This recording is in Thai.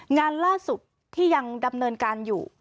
งานล่าสุดที่ยังดำเนินการอยู่